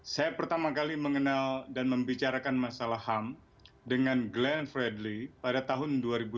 saya pertama kali mengenal dan membicarakan masalah ham dengan glenn fredly pada tahun dua ribu sepuluh